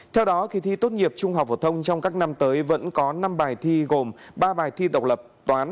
theo đó kỳ thi tốt nghiệp trung học phổ thông trong các năm tới vẫn có năm bài thi gồm ba bài thi độc lập toán